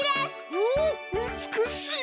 おおうつくしい！